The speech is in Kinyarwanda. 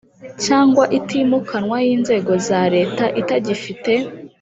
cyangwa itimukanwa y inzego za Leta itagifite